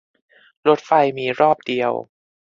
รถไฟมีรอบเดียว